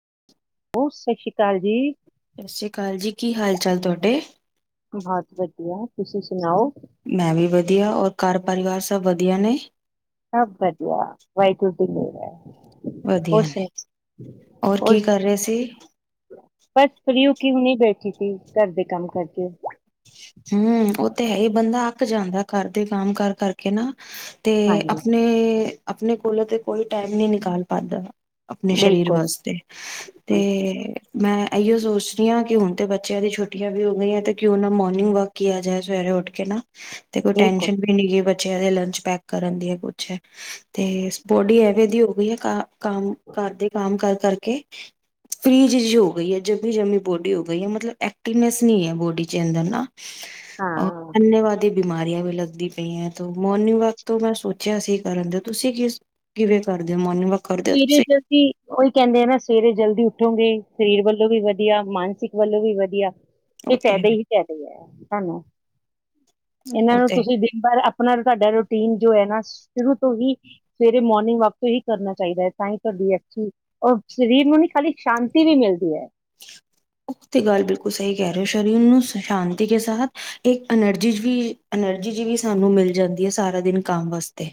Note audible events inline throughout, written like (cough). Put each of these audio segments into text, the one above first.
(unintelligible) ਹੋ ਸਤਿ ਸ਼੍ਰੀ ਅਕਾਲ ਜੀ ਸਤਿ ਸ੍ਰੀ ਅਕਾਲ ਜੀ ਕੀ ਹਾਲ ਚਾਲ ਤੁਹਾਡੇ ਬਹੁਤ ਵਧੀਆ ਤੁਸੀਂ ਸੁਣਾਓ ਮੈਂ ਵੀ ਵਧੀਆ ਔਰ ਘਰ ਪਰਿਵਾਰ ਸਭ ਵਧੀਆ ਨੇ ਸਭ ਵਧੀਆ ਵਾਈ ੁਟੀ ਲ ਰ ਵਧੀਆ ਨੇ ਹੋਰ ਕੀ ਕਰ ਰਹੇ ਸੀ ਬਸ ਪ੍ਰਿਯਊਕ ਹੁਣੀ ਬੈਠੀ ਸੀ ਘਰ ਦੇ ਕੰਮ ਕਰਕੇ ਹਮ ਉਹ ਤੇ ਹੈ ਹੀ ਬੰਦਾ ਅੱਕ ਜਾਂਦਾ ਕਰਦੇ ਕੰਮ ਕਰ ਕਰਕੇ ਨਾ ਤੇ ਹਾਂਜੀ ਆਪਣੇ ਆਪਣੇ ਕੋਲੋਂ ਤੇ ਕੋਈ ਟਾਈਮ ਨਈ ਨਿਕਾਲ ਪਾਂਦਾ ਨਾ। ਆਪਣੇ ਸਰੀਰ ਬਿਲਕੁਲ ਵਾਸਤੇ ਤੇ ਬਿਲਕੁਲ ਮੈਂ ਐਈਔ ਸੋਚ ਰੀ ਆਂ ਕਿ ਹੁਣ ਤੇ ਬੱਚਿਆਂ ਦੀ ਛੁੱਟ ਵੀ ਹੋ ਗਈਆਂ ਤੇ ਕਿਉਂ ਨਾ ਮੋ ਰਨਿੰਗ ਵਾਕਿਆ ਜਾਏ ਸਵੇਰੇ ਉੱਠ ਕੇ ਨਾ। ਤੇ ਕੋਈ ਬਿਲਕੁਲ ਟੈਨਸ਼ਨ ਵੀ ਨੀਗੀ ਬੱ ਚਿਆਂ ਦੇ ਲੰਚ ਪੈਕ ਕਰਨ ਦੀ ਯਾਂ ਕੁਛ ਤੇ ਬੋਡੀ ਐਵੇਂ ਦੀ ਹੋ ਗਈ ਏ ਕਾਂ ਕੰਮ ਕਰਦੇ ਕੰਮਕਾਰ ਕਰਕੇ ਫ੍ਰੀਜ ਜੀ ਹੋ ਗਈ ਏ। ਜਮੀ-ਜਮੀ ਬੋਡੀ ਹੋ ਗਈ ਏ ਮਤਲਬ ਐਕਟਿਵਨੈਸ ਨਈ ਐ ਬੋਡੀ ਚ ਅੰਦਰ ਨਾ। ਔ ਹਾਂ ਅੰਨੇਵਾਦੀ ਬਿਮਾਰੀਆਂ ਵੀ ਲੱਗਦੀ ਪਈਐਂ ਤੋ ਮੋਰਨਿੰਗ ਵਾਕ ਤੋਂ ਮੈਂ ਸੋਚਿਆ ਸੀ ਕਰਨ ਦੇ। ਤੁਸੀਂ ਕਿਸ, ਕਿਵੇਂ ਕਰਦੇ ਔ ਮੋਰਨਿੰਗ ਵਾਕ? ਕਰਦੇ ਹੋ (unintelligible) ਤੁਸੀਂ ਚ ਅਸੀ ਔਹੀ ਕਹਿੰਦੇ ਆ ਨਾ ਸਵੇਰੇ ਜਲਦੀ ਉੱਠੋਗੇ ਸਰੀਰ ਵੱਲੋਂ ਵੀ ਵਧੀਆ, ਮਾਨਸਿਕ ਵੱਲੋਂ ਵੀ ਵਧੀਆ। ਉਹ ਇਹ ਤੇ ਕਹਿਦੇ ਹੀ ਕਹਿਦੇ ਐ, ਸਾਨੂੰ। ਇਹਨਾਂ ਉਹ ਨੂੰ ਤੇ ਤੁਸੀਂ ਦਿਨ ਭਰ ਅਪ ਉਹਨਾਂ ਨੂੰ ਤੁਆਡਾ ਰੋਟੀਨ ਜੋ ਐ ਨਾ ਸ਼ੁਰੂ ਤੋਂ ਹੀ ਸਵੇਰੇ ਮੋਰਨਿੰਗ ਵਾਕ ਤੋਂ ਹੀ ਕਰਨਾ ਚਾਹੀਦਾ ਐ। ਤਾਂਈ ਤੁਆਡੀ ਅੱਛੀ ਅ ਸਰੀਰ ਨੂੰ ਨੀ ਖਾਲੀ ਸ਼ਾਂਤੀ ਵੀ ਮਿਲਦੀ ਐ। ਉਹ ਤੇ ਗੱਲ ਬਿਲਕੁਲ ਸਹੀ ਕਹਿ ਰਏ ਔ ਸ਼ਰੀਰ ਨੂੰ ਸ ਸ਼ਾਂਤੀ ਕੇ ਸਾਥ ਇੱਕ ਅਨਰਜੀ ਵੀ ਅਨਰਜੀ ਜਿ ਵੀ ਸਾਨੂੰ ਮਿਲ ਜਾਂਦੀ ਐ ਸਾਰਾ ਦਿਨ ਕੰਮ ਵਾਸਤੇ।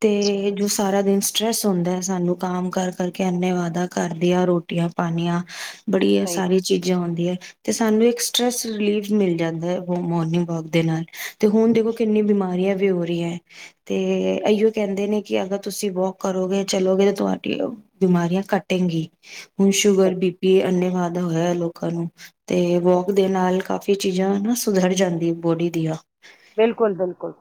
ਤੇ ਜੋ ਸਾਰਾ ਦਿਨ ਸਟਰ੍ਰੈਸ ਹੁੰਦੈ ਸਾਨੂੰ ਕਮ ਕਰ ਕਰਕੇ ਅੰਨੇਵਾਦਾ ਕਰਦਿਆਂ ਰੋਟੀਆਂ ਪਾਣੀਆਂ ਬੜੀਆਂ ਸਹੀ ਸਾਰੀ ਚੀਜ਼ਾਂ ਹੋਂਦੀਐ ਤੇ ਸਾਨੂੰ ਇੱਕ ਸਟਰ੍ਰੈਸ ਰਿਲੀਫ਼ ਮਿਲ ਜਾਂਦਾ ਐ ਮੋ ਮੋਰਨਿੰਗ ਵਾਕ ਦੇ ਨਾਲ ਤੇ ਹੁਣ ਦੇਖੋ ਕਿੰਨੀ ਬਿਮਾਰੀਆਂ ਵੀ ਹੋ ਰਈਆਂ ਐਂ ਤੇ ਅਈਔ ਕੈਂਦੇ ਨੇ ਕਿ ਅਗਰ ਤੁਸੀ ਵੋਕ ਕਰੋਗੇ ਚਲੋਗੇ ਤੁਹਾਡੀ ਅ ਬਿਮਾਰੀਆਂ ਘਟੇਗੀ, ਹੁਣ ਸਹੀ, ਸ਼ੂਗਰ ਬੀ ਪੀ ਅੰਨ੍ਹੇਵਾਧ ਹੋਇਆ ਲੋਕਾਂ ਨੂੰ ਤੇ ਵੋਕ ਦੇ ਨਾਲ ਕਾਫ਼ੀ ਚੀਜ਼ਾਂ ਵੀ ਸੁਧਰ ਜਾਂਦੀ ਬੋਡੀ ਦੀਆਂ। ਬਿਲਕੁਲ-ਬਿਲਕੁਲ,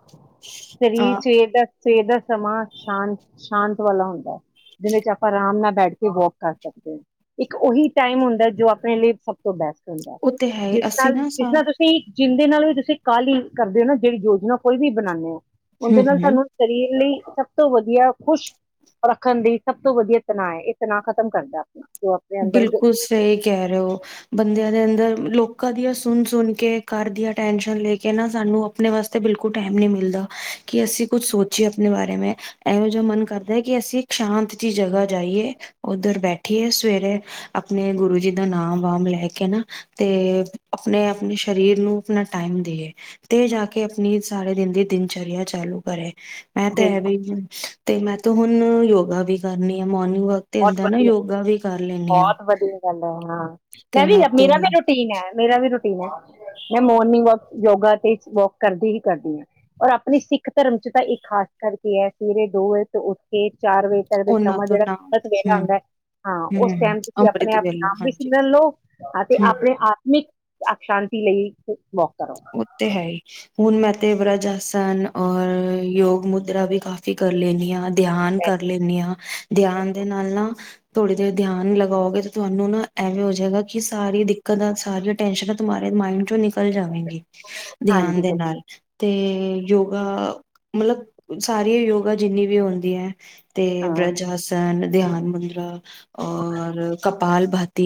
ਸਰੀਰ ਹਾਂ ਸਵੇਰ ਦਸ, ਸਰ ਦਸ ਸਮਾਂ ਸ਼ਾਂਤ, ਸ਼ਾਂਤ ਵਾਲਾ ਹੁੰਦਾ ਐ। ਜਿਹਦੇ ਚ ਆਪਾਂ ਆਰਾਮ ਨਾਲ ਬੈਠ ਕੇ ਵੋਕ ਕਰ ਸਕਦੇ ਐਂ। ਇੱਕ ਔਹੀ ਟਾਈਮ ਹੁੰਦੈ ਜੋ ਆਪਣੇ ਲਈ ਸਭ ਤੋਂ ਬੈਸਟ ਹੂੰਦਾ ਉਹ ਐ। ਤੇ ਹੈ ਹੀ ਜਿਸ ਅਸੀਂ ਨਾਲ, ਨਾ ਜਿਸ ਸਾ ਨਾਲ ਤੁਸੀ ਜਿੰ ਦੇ ਨਾਲ ਵੀ ਤੁਸੀ ਕਾਹਲੀ ਕਰਦੇ ਔ ਨਾ ਜਿਹੜੀ ਯੋਜਨਾ ਕੋਈ ਵੀ ਬਣਾਣੇ ਔ। ਹੂੰ ਉਹਦੇ ਨਾਲ ਹੂੰ ਸਾਨੂੰ ਸਰੀਰ ਲਈ ਸਭ ਤੋਂ ਵਧੀਆ ਖੁਸ਼ ਰੱਖਣ ਦੀ ਸਭ ਤੋਂ ਵਧੀਆ ਤਨਾਅ ਐ, ਇਹ ਤਨਾਅ ਖ਼ਤਮ ਕਰਦਾ। ਜੋ ਆਪਣੇ ਅੰਦਰ ਦਿਲ ਬਿਲਕੁਲ ਸਹੀ ਕਹਿ ਰਹੇ ਔ। ਬੰਦਿਆਂ ਦੇ ਅੰਦਰ ਲੋਕ ਖਦੀਆ ਸੁਣ-ਸੁਣ ਕੇ ਘਰ ਦੀਆਂ ਟੈਨਸ਼ਨ ਲੈ ਕੇ ਨਾ ਸਾਨੂੰ ਆਪਣੇ ਵਾਸਤੇ ਬਿਲਕੁਲ ਟੈਮ ਨੀ ਮਿਲਦਾ ਕਿ ਅਸੀ ਕੁੱਛ ਸੋਚੀਏ ਆਪਣੇ ਬਾਰੇ ਮੈਂ। ਐਹੋ ਜਿਆ ਮਨ ਕਰਦੈ ਕਿ ਅਸੀ ਇੱਕ ਸ਼ਾਂਤ ਜਿਹੀ ਜਗ੍ਹਾ ਜਾਈਏ, ਉੱਧਰ ਬੈਠੀਏ ਸਵੇਰੇ ਆਪਣੇ ਗੁਰੂ ਜੀ ਦਾ ਨਾਮ-ਵਾਮ ਲੈ ਕੇ ਨਾ ਤੇ ਅਪਣੇ-ਅਪਣੇ ਸਰੀਰ ਨੂੰ ਆਪਣਾ ਟਾਈਮ ਦਈਏ। ਤੇ ਜਾ ਕੇ ਆਪਣੀ ਸਾਰੇ ਦਿਨ ਦੀ ਦਿਨਚਰਿਆ ਚਾਲੂ ਕਰੇ ਮੈਂ ਤੇ ਐਵੇ ਬਹੁਤ ਹੀ ਹ ਤੇ ਮੈਂ ਤ ਹੁਣ ਯੋ ਵੀ ਕਰਨੀ ਆ ਮੋਰਨ ਵਕ ਹਦਾ ਨਾ ਵਧੀਆ ਯੋਗਾ ਵੀ ਕਰ ਲੈਂਣੀ ਆ ਬਹੁਤ ਵਧੀਆ ਗੱਲ ਹੈ ਹਾਂ ਮੈਂ ਤਿੰਨ ਵੀ ਅਤੇ ਮੇਰਾ ਵੀ ਰੂਟੀਨ ਹੈ ਮੇਰਾ ਵੀ ਰੂਟੀਨ ਹੈ ਮੈਂ ਮੋਰਨਿੰਗ ਵਾਕ ਯੋਗਾ ਤੇ ਵੋਕ ਕਰਦੀ ਹੀ ਕਰਦੀ ਹਾਂ ਔਰ ਆਪਣੇ ਸਿੱਖ ਧਰਮ ਚ ਤਾਂ ਇੱਕ ਖਾਸ ਕਰਕੇ ਹੈ ਸਵੇਰੇ ਦੋ ਉੱਠ ਕੇ ਚਾਰ ਵਜੇ ਤੱਕ ਦੇ ਉਹਨਾਂ ਸਮਾਂ ਤੋਂ ਨਾ ਜਿਹੜਾਤ ਵੇਹਲਾ ਹੂੰ ਹਉੁੰਦਾ ਹੈ ਹਾਂ ਉਸ ਹੂੰ ਟਾਈਮ ਤੁਸੀਂ ਆਪਣੇ ਅੰਮ੍ਰਿਤ ਆਪ ਵੇਲਾ ਨਾਮ ਵੀ ਹਾਂਜੀ ਸਿੰਗਣ ਲਓ ਅਤੇ ਹੂੰ ਆਪਣੇ ਆਤਮਿਕ ਅ ਸ਼ਾਂਤੀ ਲਈ ਵਾਕ ਕਰੋ ਉਹ ਤੇ ਹੈ ਹੀ ਹੁਣ ਮੈਂ ਤੇ ਬਰਾਜੱਸ ਨ ਔਰ ਯੋਗ ਮੁਦਰਾ ਵੀ ਕਾਫੀ ਕਰ ਲੈਣੀ ਆ ਧਿਆਨ ਕਰ ਲੈਂਦੇ ਹਾਂ ਧਿਆਨ ਦੇ ਨਾਲ ਨਾ ਥੋੜ੍ਹੀ ਦੇਰ ਧਿਆਨ ਲਗਾਓਗੇ ਤੇ ਤੁਹਾਨੂੰ ਨਾ ਐਵੇਂ ਹੋ ਜਾਏਗਾ ਕਿ ਸਾਰੀ ਦਿੱਕਤਾਂ ਸਾਰੀਆਂ ਟੈਸ਼ਨਾਂ ਤਮਾਰੇ ਮਾਇੰਡ ਚੋਂ ਨਿਕਲ ਜਾਵੇਗੀ ਧਿਆਨ ਹਾਂਜੀ ਦੇ ਫਿਰ ਨਾਲ ਤੇ ਯੋਗਾ ਮਤਲਬ ਸਾਰੀ ਯੋਗਾ ਜਿੰਨੀ ਵੀ ਹੁੰਦੀ ਹੈ ਤੇ ਹਾਂ ਬ੍ਰਜ ਹਸਨ ਲਧਿਆਨ ਮੰਦਰਾ ਔਰ ਕੱ ਬਾਲ ਭਤ ਤੇ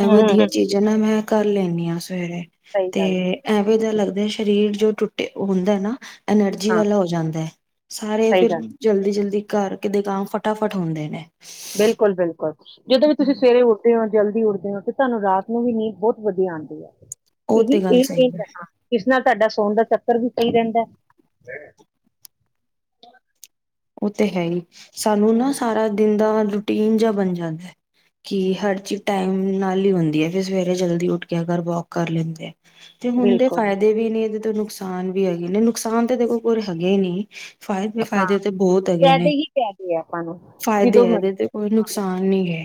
ਇਹ ਹੂੰ ਹੂੰ ਵਧੀਆ ਹੂੰ ਚੀਜ਼ ਨਾ ਮੈਂ ਕਰ ਲੈਂਦੇ ਹਾਂਸੀਂ ਸਵੇਰੇ ਸਹੀ ਗੱਲ ਹੈ ਤੇ ਦਾ ਲੱਗਦਾ ਸਰੀਰ ਜੋ ਟੁੱਟੇ ਹੁੰਦਾ ਨਾ ਐਨਰਜੀ ਹਾਂ ਵਾਲਾ ਹੋ ਜਾਂਦਾ ਹੈ ਸਾਰੇ ਸਹੀ ਫਿਰ ਗੱਲ ਜਲਦੀ ਜਲਦੀ ਘਰ ਕਿਤੇ ਕੰਮ ਫਟਾਫਟ ਹੁੰਦੇ ਨੇ ਬਿਲਕੁਲ ਬਿਲਕੁਲ ਜਦੋਂ ਵੀ ਤੁਸੀਂ ਸਵੇਰੇ ਉੱਠਦੇ ਹੋ ਜਲਦੀ ਉੱਡਦੇ ਹੋ ਤੇ ਤੁਹਾਨੂੰ ਰਾਤ ਨੂੰ ਵੀ ਨੀਂਦ ਬਹੁਤ ਵਧੀਆ ਆਉਂਦੀ ਹੈ ਉਹ ਇਹੀ ਤੇ ਗੱਲ ਸਹੀ ਇਹ ਹੈ ਹਾਂ ਕਿਸ ਨਾਲ ਤੁਹਾਡਾ ਸੋਣ ਦਾ ਚੱਕਰ ਵੀ ਸਹੀ ਰਹਿੰਦਾ ਉਹ ਤੇ ਹੈ ਹੀ ਸਾਨੂੰ ਨਾ ਹੈ। ਸਾਰਾ ਦਿਨ ਦਾ ਰੂਟੀਨ ਜਿਹਾ ਬਣ ਜਾਂਦਾ ਕਿ ਹਰ ਚੀਜ਼ ਟਾਈਮ ਨਾਲ ਹੀ ਹੁੰਦੀ ਹੈ ਫਿਰ ਸਵੇਰੇ ਜਲਦੀ ਉੱਠ ਕੇ ਅਗਰ ਵੋਕ ਕਰ ਲੈਂਦੇ ਆ ਤੇ ਹੁਣ ਦੇ ਬਿਲਕੁਲ ਫਾਇਦੇ ਵੀ ਨੇ ਨੁਕਸਾਨ ਵੀ ਹੈਗੇ ਨੇ ਨੁਕਸਾਨ ਤਾਂ ਦੇਖੋ ਕੋਰ ਹੈਗੇ ਨਹੀਂ ਫ਼ਾਇਦੇ ਹਾਂ ਫਾਇਦੇ ਬਹੁਤ ਹੈਗੇ ਫਾਇਦੇ ਨੇ ਹੀ ਫਾਇਦੇ ਆ ਆਪਾਂ ਨੂੰ ਜਦੋਂ ਫਾਇਦੇ ਹੈ ਇਹਦੇ ਮਰਜ਼ੀ ਤੇ ਕੋਈ ਨੁਕਸਾਨ ਨਹੀ ਹੈ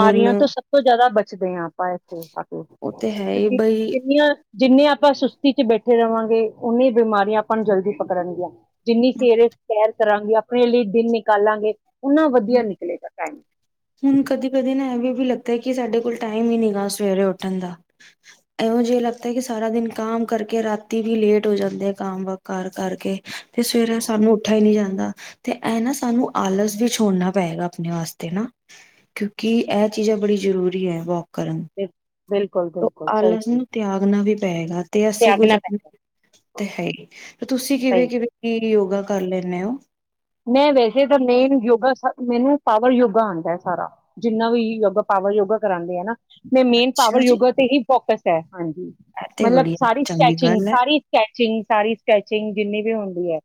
ਹੁਣ ਤੋਂ ਸਭ ਤੋਂ ਜ਼ਿਆਦਾ ਬਚਦੇ ਹਾਂ ਆਪਾਂ ਇੱਥੇ ਆਪ ਉਹ ਤੇ ਹੈ ਹੀ ਕਿਉਂਕਿ ਬਈ ਜਿੰਨੀਆਂ ਜਿੰਨੇ ਆ ਆਪਾਂ ਸੁਸਤੀ ਵਿੱਚ ਬੈਠੇ ਰਹਾਂਗੇ ਉਨੇ ਬਿਮਾਰੀਆਂ ਆਪਾਂ ਨੂੰ ਜਲਦੀ ਪਕੜਨਗੀਆਂ ਜਿੰਨੀ ਸਵੇਰੇ ਸੈਰ ਕਰਾਂਗੇ ਆਪਣੇ ਲਈ ਦਿਨ ਨਿਕਾਲਾਂਗੇ ਓਨਾ ਵਧੀਆ ਨਿਕਲੇਗਾ ਟਾਈਮ ਹੁਣ ਕਦੀ ਕਦੇ ਨਾ ਇਹਵੇਂ ਵੀ ਲੱਗਦਾ ਕਿ ਸਾਡੇ ਕੋਲ ਟਾਈਮ ਹੀ ਨੀ ਗਾ ਸਵੇਰੇ ਉੱਠਣ ਦਾ ਇਹੋ ਜਿਹਾ ਲੱਗਦਾ ਕਿ ਸਾਰਾ ਦਿਨ ਕਾਮ ਕਰਕੇ ਰਾਤੀ ਵੀ ਲੇਟ ਹੋ ਜਾਂਦੇ ਆ ਕਾਮ ਕਰ ਕਰਕੇ ਤੇ ਸਵੇਰੇ ਸਾਨੂੰ ਉੱਠ ਹੀ ਨਹੀ ਜਾਂਦਾ ਦਾ ਤੇ ਇਹ ਨਾ ਸਾਨੂੰ ਆਲਸ ਵੀ ਛੋੜਨਾ ਪਏਗਾ ਆਪਣੇ ਵਾਸਤੇ ਨਾ ਕਿਉਂਕਿ ਇਹ ਚੀਜ਼ਾਂ ਬੜੀ ਜ਼ਰੂਰੀ ਹੈ ਵ ਕਰਨ ਬਿਲਕੁਲ ਬਿਲਕੁਲ ਸਹੀ ਆਲਸ ਸਹੀ ਨੂੰ ਤਿਆਗਨਾ ਵੀ ਪਏਗਾ ਤੇ ਅਸੀਂ ਅਗਨਾ ਗੁਜ਼ਰ ਪੈ ਤੇ ਹੈਗੀ ਤੇ ਤੁਸੀਂ ਕਿਵੇਂ ਸਹੀ ਕਿਵੇਂ ਯੋਗਾ ਕਰ ਲੈਂਦੇ ਹੋ ਮੈਂ ਵੈਸੇ ਤਾਂ ਮੇਨ ਯੋਗਾ ਮੈਨੂੰ ਪਾਵਰ ਯੋਗਾ ਆਉਂਦਾ ਸਾਰਾ ਜਿੰਨਾ ਵੀ ਯੋਗਾ ਪਾਵਰ ਯੋਗਾ ਕਰਾਉਂਦੇ ਹੈ ਨਾ ਮ ਮੇਨ ਪਾਵਰ ਅੱਛਾ ਜੀ ਯੋਗਾ ਤੇ ਹੀ ਫੋਕਸ ਹੈ ਹਾਂਜੀ ਇਹ ਤੇ ਮਤਲਬ ਬੜੀ ਸਾਰੀ ਚੰਗੀ ਸਕੈਚਿੰਗ ਗੱਲ ਹੈ ਸਾਰੀ ਸਕੈਚਿੰਗ ਸਾਰੀ ਸਕੈਚਿੰਗ ਜਿੰਨੀ ਵੀ ਹੁੰਦੀ ਹੈ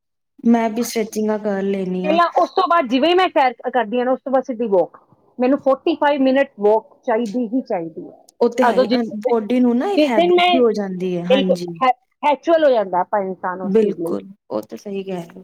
ਮੈਂ ਵੀ ਸਟ੍ਰੈਚਿੰਗਾਂ ਕਰ ਲੈਣੀ ਆ ਪਹਿਲਾਂ ਉਸ ਤੋਂ ਬਾਅਦ ਜਿਵੇਂ ਵੀ ਮੈਂ ਸੈਰ ਕਰਦੀ ਹੈਂ ਨਾ ਉਸ ਤੋਂ ਬਾਅਦ ਦੀ ਵੋਕ ਮੈਨੂੰ ਫੋਰਟੀ ਫਾਈਵ ਮਿੰਟ ਵੋਕ ਚਾਹੀਦੀ ਹੀ ਚਾਹੀਦੀ ਉਹ ਤੇ ਹੈ ਉਦੋਂ ਜਿਸ ਦਿਨ ਬੋਡੀ ਨੂੰ ਨਾ ਇੱਕ ਜਿਸ ਦਿਨ ਹੈਬਿਟ ਵੀ ਹੋ ਜਾਂਦੀ ਹੈ ਹਾਂਜੀ ਚਲੋ ਜਾਂਦਾ ਇਨਸਾਨ ਉਸ ਚੀਜ਼ ਲਈ ਬਿਲਕੁਲ ਉਹ ਤਾਂ ਸਹੀ ਗਿਆ ਸੀ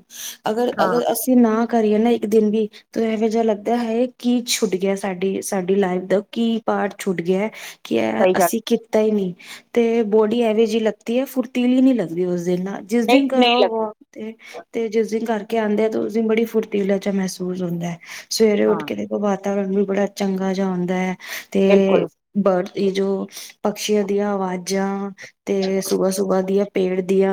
ਅਗਰ ਹਾਂ ਅਗਰ ਅਸੀਂ ਨਾ ਕਰੀਏ ਨਾ ਇੱਕ ਦਿਨ ਵੀ ਤੇ ਇਹੋ ਜਿਹਾ ਲੱਗਦਾ ਹੈ ਕੀ ਛੁੱਟ ਗਿਆ ਸਾਡੀ ਸਾਡੀ ਲਾਈਫ ਦਾ ਕੀ ਪਾਰਟ ਛੁੱਟ ਗਿਆ ਕਿ ਹੈ ਸਹੀ ਗੱਲ ਅਸੀਂ ਕੀਤਾ ਹੀ ਨਹੀਂ ਤੇ ਬੋਡੀ ਇਹਵੇ ਜਿਹੀ ਲੱਗਦੀ ਹੈ ਫੁਰਤੀਲੀ ਨੀ ਲੱਗਦੀ ਉਸ ਦਿਨ ਨਾਲ ਜਿਸ ਦਿਨ ਨਹੀਂ ਨਹੀਂ ਕਰੋ ਲੱਗਦੀ ਵੋਕ ਤੇ ਤੇ ਜਿਸ ਦਿਨ ਕਰਕੇ ਆਉਂਦੇ ਹੈ ਤੇ ਉਸਂ ਬੜੀ ਫੁਰਤੀਲਾ ਜੇਹਾ ਮਹਿਸੂਸ ਹੁੰਦਾ ਹੈ ਸਵੇਰੇ ਉੱਠ ਹਾਂ ਕੇ ਦੇਖੋ ਬਾਅ ਵਾਤਾਵਰਨ ਵੀ ਬੜਾ ਚੰਗਾ ਜਿਹਾ ਹੁੰਦਾ ਹੈ ਤੇ ਬਿਲਕੁਲ ਬਟ ਇਹ ਜੋ ਪਕਸ਼ੀਆਂ ਦੀਆਂ ਅਵਾਜਾਂ ਤੇ ਸੁਬਾਹ ਸੁਬਾਹ ਦੀਆਂ ਪੇੜ ਦੀਆ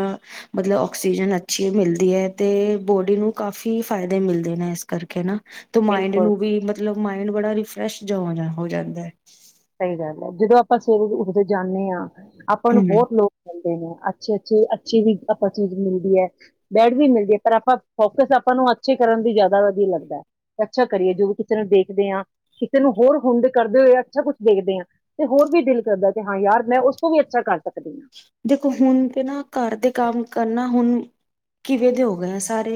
ਮਤਲਬ ਆਕਸੀਜਨ ਅੱਛੀ ਮਿਲਦੀ ਹੈ, ਤੇ ਬੋਡੀ ਨੂੰ ਕਾਫ਼ੀ ਫ਼ਾਇਦੇ ਮਿਲਦੇ ਨੇ ਇਸ ਕਰਕੇ ਨਾ ਤੇ ਮਾਇੰਡ ਬਿਲਕੁਲ ਨੂੰ ਵੀ ਮਤਲਬ ਮਾਇੰਡ ਬੜਾ ਰਿਫਿਰੈਸ਼ ਹੋ ਜਾਂਦਾ ਹੈ ਸਹੀ ਗੱਲ ਹੈ। ਜਦੋਂ ਆਪਾਂ ਸਵੇਰੇ ਉੱਠਦੇ ਜਾਂਦੇ ਹਾਂ ਆਪਾਂ ਨੂੰ ਹਮ ਬਹੁਤ ਲੋਕ ਅੱਛੇ ਅੱਛੇ ਅੱਛੀ ਵੀ ਆਪਾਂ ਚੀਜ਼ ਮਿਲਦੀ ਹੈ। ਬੈਡ ਵੀ ਮਿਲਦੀ ਹੈ ਪਰ ਆਪਾਂ ਫੋਕਸ ਆਪਾਂ ਨੂੰ ਅੱਛੇ ਕਰਨ ਦੀ ਜ਼ਿਆਦਾ ਵਧੀਆ ਲੱਗਦਾ ਅੱਛਾ ਕਰੀਏ ਜੋ ਵੀ ਕਿਸੇ ਨੂੰ ਦੇਖਦੇ ਹਾਂ ਕਿਸੇ ਨੂੰ ਹੋਰ ਹੁੰਦੇ ਕਰਦੇ ਹੋਏ ਅੱਛਾ ਕੁਛ ਦੇਖਦੇ ਹਾਂ, ਤੇ ਹੋਰ ਵੀ ਦਿਲ ਕਰਦਾ ਕਿ ਹਾਂ ਯਾਰ ਮੈਂ ਉਸ ਤੋਂ ਵੀ ਅੱਛਾ ਕਰ ਸਕਾਂ ਦੇਖੋ, ਹੁਣ ਤੇ ਨਾ ਘਰ ਦੇ ਕੰਮ ਕਰਨਾ ਹੁਣ ਕਿਵੇਂ ਦੇ ਹੋ ਗਏ ਆ ਸਾਰੇ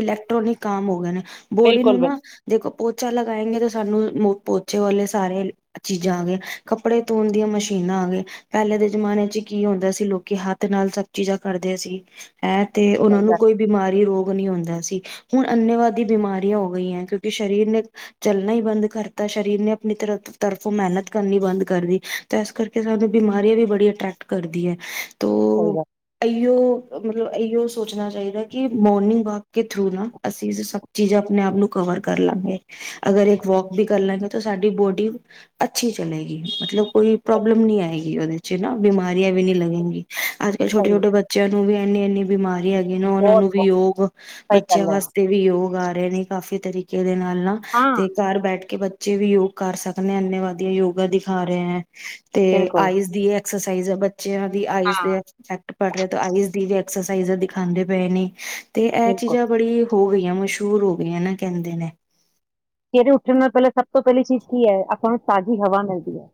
ਇਲੈਕਟ੍ਰੋਨਿਕ ਕੰਮ ਹੋ ਗਏ ਨੇ, ਬੋਡੀ ਬਿਲਕੁਲ ਨੂੰ ਬਿਲਕੁਲ ਨਾ ਦੇਖੋ ਪੋਚਾ ਲਗਾਏਗੇ ਤੇ ਸਾਨੂੰ ਪੋਚੇ ਵਾਲੇ ਸਾਰੇ ਚੀਜ਼ਾਂ ਆ ਗਏ ਕੱਪੜੇ ਧੋਣ ਦੀਆਂ ਮਸ਼ੀਨਾਂ ਆ ਗਏ ਪਹਿਲੇ ਦੇ ਜਮਾਨੇ ਚ ਕੀ ਹੁੰਦਾ ਸੀ, ਲੋਕੀ ਹੱਥ ਨਾਲ ਸਭ ਚੀਜ਼ਾਂ ਕਰਦੇ ਸੀ। ਹੈ। ਤੇ ਉਹਨਾਂ ਸਹੀ ਨੂੰ ਗੱਲ ਕੋਈ ਬਿਮਾਰੀ ਰੋਗ ਨ ਹੁੰਦਾ ਸੀ। ਹੁਣ ਅੰਨੇਵਾਦੀ ਬਿਮਾਰੀਆਂ ਹੋ ਗਈਆਂ ਕਿਉਂਕਿ ਸਰੀਰ ਨੇ ਚੱਲਣਾ ਹੀ ਬੰਦ ਕਰਤਾ ਸਰੀਰ ਨੇ ਆਪਣੀ ਤਰ ਤਰਫੋਂ ਮਿਹਨਤ ਕਰਨੀ ਬੰਦ ਕਰਦੀ ਤੇ ਇਸ ਕਰਕੇ ਸਾਨੂੰ ਬਿਮਾਰੀਆਂ ਵੀ ਬੜੀ ਅਟਰੈਕਟ ਕਰਦੀ ਹੈ। ਸਹੀ ਗੱਲ ਇਉ ਮਤਲਬ ਇਉ ਸੋਚਣਾ ਚਾਹੀਦਾ ਕਿ, ਮੋਰਨਿੰਗ ਵਾਕ ਕੇ ਥਰੂ ਨਾ ਅਸੀਂ ਸਭ ਚੀਜ਼ ਆਪਣੇ ਆਪ ਨੂੰ ਕਵਰ ਕਰ ਲਾਂਗੇ। ਅਗਰ ਇੱਕ ਵੋਕ ਵੀ ਕਰ ਲੈਗਾ ਤਾਂ ਸਾਡੀ ਬੋਡੀ ਅੱਛੀ ਚਲੇਗੀ, ਮਤਲਬ ਕੋਈ ਪ੍ਰੋਬਲਮ ਨ ਆਏਗੀ ਉਹਦੇ ਚ ਨਾ ਬਿਮਾਰੀਆਂ ਵੀ ਨਹੀਂ ਲਗੇਗੀ ਅੱਜ ਕੱਲ ਛੋਟੇ ਸਹੀ ਗੱਲ ਛੋੇ ਬੱਚਿਆਂ ਨੂੰ ਨੂੰ ਵੀ ਇੰਨੀ ਇੰਨੀ ਬਿਮਾਰੀਆਂ ਨਾ ਉਹਨਾਂ ਬਹੁਤ ਨੂੰ ਵੀ ਬਹੁਤ ਯੋਗ ਸਹੀ ਬੱਚਿਆਂ ਗੱਲ ਹੈ ਵਾਸਤੇ ਵੀ ਯੋਗ ਆ ਨੇ ਕਾਫੀ ਤਰੀਕੇ ਦੇ ਨਾਲ ਹਾਂ ਤੇ ਘਰ ਬੈਠ ਕੇ ਬ ਬੱਚੇ ਵੀ ਯੋਗ ਕਰ ਸਕਦੇ ਇੰਨੇ ਵਾਧੀਆਂ ਯੋਗਾ ਦਿਖਾ ਰਹੇ ਹੈ। ਤੇ ਬਿਲਕੁਲ ਆਈਸ ਦੀ ਐਕਸਜ਼ ਬੱ ਬੱਚਿਆਂ ਦੀ ਆਈਸ ਹਾਂ ਇਫੈਕਟ ਪੜ੍ਹ ਰਹੇ, ਆਈਜ਼ ਦੀ ਐਕਸਰਸਾਈਜ਼ ਦਿਖਾਂਦੇ ਪਏ ਨੇ, ਅਤੇ ਇਹ ਬਿਲਕੁਲ ਚੀਜ਼ਾਂ ਬੜੀ ਹੋ ਗਈਆਂ ਮਸ਼ਹੂਰ ਹੋ ਗਈਆਂ ਨਾ ਕਹਿੰਦੇ ਨੇ ਚਿਹਰੇ ਉੱਠਣ ਨਾਲ ਪਹਿਲਾਂ ਸਭ ਤੋਂ ਪਹਿਲੀ ਚੀਜ਼ ਕੀ ਹੈ ਆਪਾਂ ਨੂੰ ਤਾਜ਼ੀ ਹਵਾ ਮਿਲਦੀ ਹੈ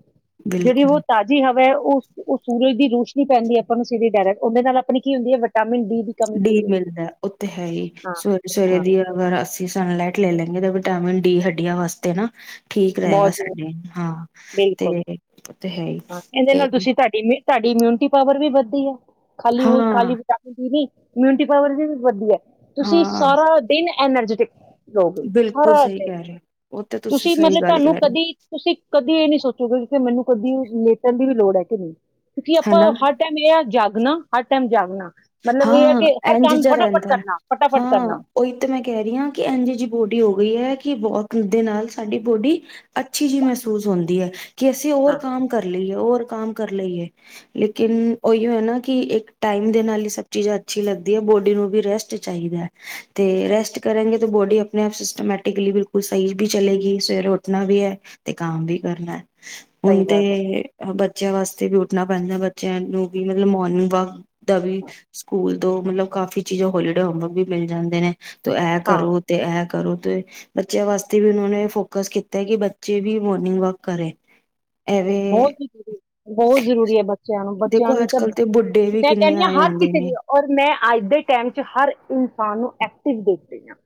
ਜਿਹੜੀ ਉਹ ਬਿਲਕੁਲ ਤਾਜ਼ੀ ਹਵਾ ਉਹ ਉਹ ਸੂਰਜ ਦੀ ਰੋਸ਼ਨੀ ਪੈਂਦੀ ਆਪਾਂ ਨੂੰ ਸਿੱਧੀ ਡਾਇਰਕਟ ਉਹਦੇ ਨਾਲ ਆਪਣੀ ਕੀ ਹੁੰਦੀ ਹੈ ਵਿਟ ਡੀ ਮਿਲਦਾ ਉੱਥੇ ਹੈ ਹੀ ਹਾਂ, ਸਵੇਰੇ ਸਵੇਰੇ ਹਾਂ। ਦੀ ਅਗਰ ਅਸੀਂ ਸਨਲਾਈਟ ਲੈ ਲੈਂਗੇ ਤਾਂ ਵਿਟਾਮਿਨ ਡੀ ਹੱਡੀਆਂ ਵਾਸਤੇ ਨਾ ਠੀਕ ਰਹੇਗਾ ਬਹੁਤ ਜ਼ਰੂਰੀ, ਸਾਡੇ ਹਾਂ ਬਿਲਕੁਲ (unintelligible) ਹਾਂ ਕਹਿੰਦੇ ਤੇ ਨਾਲ ਤੁਸੀਂ ਤੁਹਾਡੀ ਮ ਸਾਡੀ ਇਮਿਊਨਿਟੀ ਪਾਵਰ ਵੀ ਵੱਧਦੀ ਆ ਖਾਲੀ ਹੋਈ ਹਾਂ ਖਾਲੀ ਵਿਟਾਮਿਨ ਡੀ ਇਮਿਊਨਿਟੀ ਪਾਵਰ ਵੀ ਵਧੀਆ ਤੁਸੀਂ ਹਾਂ ਸਾਰਾ ਦਿਨ ਐਨਰਜੀਟੀਿਕ ਲੋਕ ਬਿਲਕੁਲ ਸਾਰਾ ਸਹੀ ਦਿਨ ਕਹਿ ਰਹੇ ਹੋ ਉਹ ਤੇ ਤੁਸੀਂ ਸਹੀ ਮਤਲਬ ਗੱਲ ਤੁਹਾਨੂੰ ਕਹਿ ਰਹੇ ਹੋ ਕਦੀ ਤੁਸੀਂ ਕਦੀ ਇਹ ਨੀ ਸੋਚੋਗੇ ਕਿ ਮੈਨੂੰ ਕਦੀ ਲੇਟਣ ਦੀ ਵੀ ਲੋੜ ਹੈ ਕਿ ਨਹੀਂ ਕਿਉਂਕਿ ਆਪਾਂ ਹਨਾ ਹਰ ਟਾਈਮ ਇਹ ਜਾਗ ਹਰ ਟਾਈਮ ਜਾਗ ਨਾ ਹਾਂ ਇੰਝ ਜਿਹਾ ਰਹਿੰਦਾ ਕਰਨਾ ਫਟਾਫਟ ਹਾਂ ਕਰਨਾ ਉਹੀ ਤਾਂ ਮੈਂ ਕਹਿ ਰਹੀ ਹਾਂ ਕਿ ਇੰਝ ਜਿਹੀ ਬੋਡੀ ਹੋ ਗਈ ਹੈ ਕੀ ਬਹੁਤ ਦੇ ਨਾਲ ਸਾਡੀ ਬੋਡੀ ਅੱਛੀ ਜਿਹੀ ਮਹਿਸੂਸ ਹੁੰਦੀ ਹੈ ਕਿ ਅਸੀਂ ਹੋਰ ਹਾਂ ਕੰਮ ਕਰ ਲਈਏ ਹੋਰ ਕਮ ਕਰ ਲਈਏ ਲੇਕਿਨ ਉਹੀ ਹੈ ਨਾ ਕਿ ਇੱਕ ਟਾਈਮ ਦੇ ਨਾਲ ਹੀ ਸਭ ਚੀਜ਼ਾਂ ਅੱਛੀ ਲੱਗਦੀ ਹੈ ਬੋਡੀ ਨੂੰ ਵੀ ਰੈਸਟ ਚਾਹੀਦਾ ਹੈ ਤੇ ਰੈਸਟ ਕਰਗੇ ਤਾਂ ਬੋਡੀ ਆਪਣੇ ਆਪ ਸਿਸਟਮੈਟਿਕਲੀ ਬਿਲਕੁਲ ਸਹੀ ਵੀ ਚਲੇਗੀ ਸਵੇਰੇ ਉੱਠਣਾ ਵੀ ਹੈ ਤੇ ਕਾਮ ਵੀ ਕਰਨਾ ਹੈ ਸਹੀ ਹੁਣ ਤੇ ਬਾਤ ਹੈ ਬ ਬੱਚਿਆਂ ਵਾਸਤੇ ਵੀ ਉੱਠਣਾ ਪੈਂਦਾ ਬੱਚਿਆਂ ਨੂੰ ਵੀ ਮਤਲਬ ਮੋਰਨਿੰਗ ਵਾਕ ਦਾ ਵੀ ਸਕੂਲ ਤੋਂ ਮਤਲਬ ਕਾਫ਼ੀ ਚੀਜ਼ਾਂ ਹੋਲੀਡੇ ਹੋਮਵਰਕ ਵੀ ਮਿਲ ਜਾਂਦੇ ਨੇ ਤੂੰ ਇਹ ਹਾਂ ਕਰੋ ਤੇ ਇਹ ਕਰੋ ਤੇ ਬੱਚਿਆਂ ਵਾਸਤੇ ਵੀ ਉਹਨਾ ਨੇ ਫੋਕਸ ਕੀਤਾ ਕਿ ਬੱਚੇ ਵੀ ਮੋਰਨਿੰਗ ਵਾਕ ਕਰੇ ਐਵੇਂ ਬਹੁਤਰੂਰੀ ਬਹੁਤ ਜ਼ਰੂਰੀ ਹੈ ਬੱਚਿਆਂ ਨੂੰ ਬੱਚਿਆਂ ਦੇਖੋ ਲਈ ਅੱਜ ਤਾਂ ਕੱਲ ਤੇ ਬੁੱਢੇ ਬਹੁਤ ਵੀ ਮੈਂ ਕਿੰਨੇ ਕਹਿੰਦੀ ਹਾਂ ਆਏ ਹਰ ਕਿਸ ਹੁੰਦੇ ਨੇ ਲਈਔਰ ਮੈਂ ਅੱਜ ਦੇ ਟਾਈਮ ਚ ਹਰ ਇਨਸਾਨ ਨੂੰ ਐਕਟਿਵ ਦੇਖਦੀ ਹਾਂ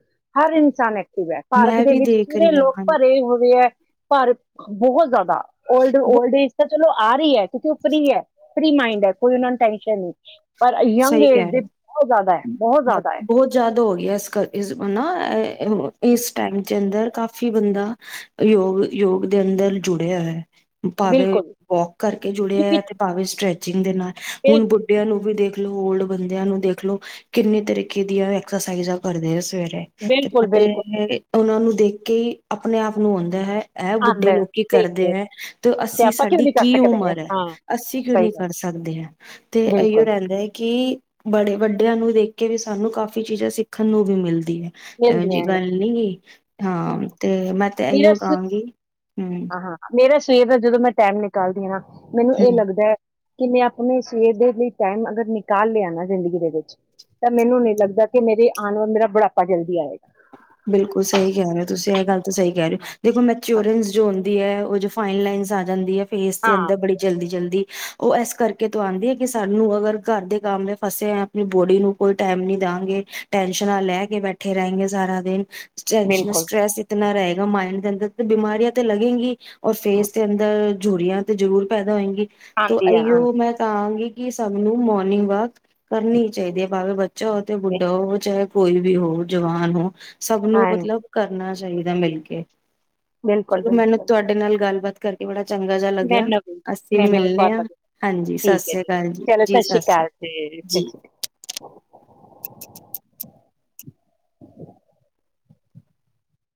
ਹਰ ਇਨਸਾਨ ਐਕਟ ਪਾਰਕ ਮੈਂ ਦੇ ਵੀ ਵਿੱਚ ਦੇਖ ਪੂਰੇ ਰਹੀ ਹਾਂ ਲੋਕ ਹਾਂਜੀ ਭਰੇ ਹੋਏ ਹੈ ਪਰ ਬਹੁਤ ਜ਼ਿਆਦਾ ਓਲਡ ਓਲਡ ਏਜ ਤਕ ਚਲੋ ਆ ਰਹੀ ਹੈ ਕਿਉਂਕਿ, ਉੱਪਰੀ ਹੈ। ਫਰੀ ਮਾਈੰਡ ਹੈ ਕੋਈ ਉਹਨਾ ਨੂੰ ਟੈਸ਼ਨ ਨਹੀਂ ਪਰ ਯੰਗ ਸਹੀ ਕਹਿ ਏਜ ਰਹੇ ਹੋ ਦੇ ਬਹੁਤ ਜ਼ਿਆਦਾ ਹੈ, ਬਹੁਤ ਜ਼ਿਆਦਾ ਹੈ। ਬਹੁਤ ਜ਼ਿਆਦਾ ਹੋ ਗਿਆ ਇਸ ਕਰ, ਇਸ ਉਹਨਾ ਹੈ। ਇਸ ਟਾਈਮ 'ਚ ਅੰਦਰ ਕਾਫ਼ੀ ਬੰਦਾ ਯੋਗ ਯੋਗ ਦੇ ਅੰਦਰ ਜੁੜਿਆ ਹੈ। ਭਾਵੇਂ ਬਿਲਕੁਲ ਵੋਕ ਕਰਕੇ ਜੁੜਿਆ ਕਿਉਂਕਿ ਹੈ, ਤੇ ਭਾਵੇਂ ਸਟ੍ਰੈ ਚਿੰਗ ਦੇ ਨਾਲ। ਹੁਣ ਬਿਲ- ਬੁੱਢਿਆਂ ਨੂੰ ਵੀ ਦੇਖ। ਓਲਡ ਬੰਦਿਆਂ ਨੂੰ ਦੇਖਲੋ, ਕਿੰਨੇ ਤਰੀਕੇ ਦੀਆਂ ਐਕਸਰਸਾਈਜ਼ਾਂ ਕਰਦੇ ਆ ਸਵੇ ਤੇ, ਬਿਲਕੁਲ ਬਿਲਕੁਲ ਤੇ ਉਹਨਾਂ ਨੂੰ ਦੇਖ ਕੇ ਹੀ ਆਪਣੇ ਆਪ ਨੂੰ ਹੁੰਦਾ ਹੈ। ਇਹ ਆਂਦਾ ਬੁੱਢੇ ਹੈ ਲੋਕੀ ਕਰਦੇ ਦੇਖ ਹੈ, ਤੇ ਅਸੀਂ, ਆਪਾਂ ਕਿਉਂ ਸਾਡੀ ਨਹੀਂ ਕਰ ਕੀ ਸਕਦੇ ਉਮਰ ਹੈ, ਹਾਂ ਅਸੀਂ ਕਿਉਂ ਸਹੀ ਨੀ ਗੱਲ ਕਰ ਸਕਦੇ ਹਾਂ, ਤੇ ਇਓ ਬਿਲਕੁਲ ਰਹਿੰਦਾ ਹੈ। ਕਿ ਬੜੇ ਵੱਡਿਆਂ ਨੂੰ ਦੇਖ ਕੇ ਹੀ ਆਪਣੇ ਆਪ ਨੂੰ ਮਿਲ ਇਹੋ ਜਿਹੀ ਮਿਲਦੀਆਂ ਨੇ ਗੱਲ ਨੀ ਐ, ਹਾਂ ਤੇ ਮੈਂ ਤੇ ਮੇਰਾ ਇਹੀਓ ਸ ਕਹਾਂਗੀ ਹਮ। ਹਾਂ ਮੇਰਾ ਸਵੇਰ ਦਾ, ਜਦੋਂ ਮੈਂ ਟਾਈਮ ਨਿਕਾਲਦੀ ਹਾਂ ਨਾ, ਮੈਨੂੰ ਹੂੰ। ਇਹ ਲੱਗਦਾ ਹੈ, ਕਿ ਮੈਂ ਆਪਣੇ ਸਿਰ ਦੇ ਲਈ ਟਾਈਮ ਅਗਰ ਨਿਕਾਲ ਲਿਆ ਨਾ ਜ਼ਿੰਦਗੀ ਦੇ ਵਿੱਚ, ਤਾਂ ਮੈਨੂੰ ਨਹੀਂ ਲੱਗਦਾ ਕਿ ਮੇਰੇ ਆਉਣ ਵੱਲ ਮੇਰਾ ਬੜਾ। ਆਪ ਜਲਦੀ ਆਏ। ਬਿਲਕੁਲ ਸਹੀ ਕਹਿ ਰਹੇ ਹੋ ਤੁਸੀਂ ਇਹ ਗੱਲ ਸਹੀ ਕਹਿ ਰਹੇ ਹੋ। ਦੇਖੋ, ਮੈਚੋਰੈਂਸ ਜੋ ਦੀ ਹੈ ੳਉਹ ਦੋ ਫਾਈਨ ਲਾਈਨਸ ਆ ਜਾਂਦੀ ਹੈ। ਫੇਸ ਦੇ ਹਾਂ ਅੰਦਰ ਬੜੀ ਜਲਦੀ ਜਲਦੀ। ਉਹ ਇਸ ਕਰਕੇ ਤੋਂ ਆਉਂਦੀ ਹੈ ਕਿ ਸਾਨੂੰ ਅਗਰ ਘਰ ਦੇ ਕੰਮ ਫਸੇ ਆ, ਆਪਣੀ ਬੋਡੀ ਨੂੰ ਕੋਈ ਟੈਮ ਨੀ ਦਾਂਗੇ, ਟੈਨਸ਼ਨਾਂ ਲੈ ਕੇ ਬੈਠੇ ਰਹਿਗੇ ਸਾਰਾ। ਤੇ? ਟੈਂਨਸ਼ਨ, ਬਿਲਕੁਲ ਸਟ੍ਰੈਸ ਇਤਨਾ ਰਹੇ ਦੋ ਮਾਇੰਡ ਦੇ ਅੰਦਰ ਤੇ, ਬਿਮਾਰੀਆਂ ਤੇ ਲੱਗੇਗੀ। ਔਰ ਫੇਸ ਦੇ ਅੰਦਰ। ਝੂਰੀਆਂ ਤੇ ਜ਼ਰੂਰ ਪੈਦਾ ਹੋਏ ਤ, ਆਉਂਦੀ ਆ ਅਓ ਆਉਂਦੀ ਮੈਂ ਕਹਾਂਗੀ। ਕਿ ਸਭ ਨੂੰ ਮੋਰਨਿੰਗ ਵਾਕ ਕਰਨੀ ਚਾਹੀਦੀ ਹੈ, ਭਵੇਂ ਬ। ਚੋ ਤੇ ਬੁੱਢਾ, ਚਾਹੇ। ਕੋਈ ਵੀ ਹੋ, ਜਵਾਨ ਹੋ। ਸਭ ਨੂੰ ਹਾਂ ਮਤਲਬ ਕਰਨਾ। ਚਾਹੀਦੈ ਮਿਲ ਕੇ ਬਿਲਕੁਲ ਚਲੋ ਮੈਨੂੰ ਬਿਲਕੁਲ ਤੁਹਾਡੇ ਨਾਲ ਗੱਲਬਾਤ ਕਰਕੇ ਬੜਾ ਚੰਗਾ ਜਿਹਾ ਲੱਗਿਆ। ਮੈਨੂੰ ਵੀ ਅਸੀਂ ਮੈਨੂੰ ਵੀ ਮਿਲਣੇ ਬਹੁਤ ਆ। ਵਧੀਆ ਹਾਂਜੀ ਸਤਿ ਠੀਕ ਹੈ ਸ੍ਰੀ ਜੀ ਅਕਾਲ ਚਲੋ ਜੀ ਸਤਿ ਸ੍ਰੀ ਅਕਾਲ ਜੀ ਸਤਿ ਸ਼੍ਰੀ